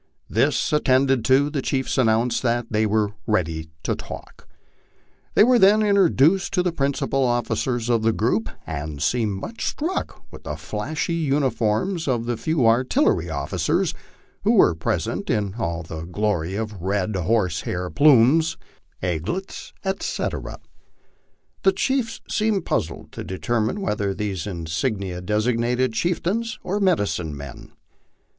This attended to, the chiefs announced that they were ready " to talk." They were then introduced to the principal offi cers of the group, and seemed much struck with the flashy uniforms of the few artillery officers who were present in all the glory of red horsehair plumes, aigulets, etc. The chiefs seemed puzzled to determine whether these insignia designated chieftains or medicine men.